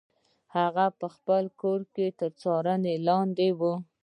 هغه په خپل کور کې تر څارنې لاندې و.